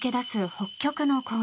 北極の氷